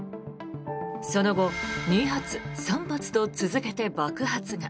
その後、２発、３発と続けて爆発が。